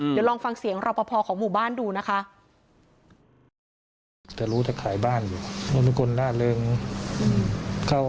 เดี๋ยวลองฟังเสียงรอปภของหมู่บ้านดูนะคะ